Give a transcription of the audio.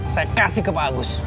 saya kasih ke pak agus